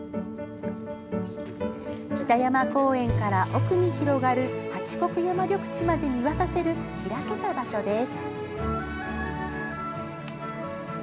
北山公園から、奥に広がる八国山緑地まで見渡せる開けた場所です。